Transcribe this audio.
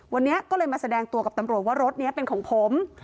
วันนี้ก็เลยมาแสดงตัวกับตำรวจว่ารถนี้เป็นของผม